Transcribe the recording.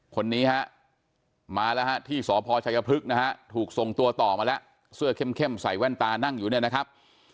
คนนี้ฮะมาแล้วฮะที่สพชัยพฤกษ์นะฮะถูกส่งตัวต่อมาแล้วเสื้อเข้มใส่แว่นตานั่งอยู่เนี่ยนะครับ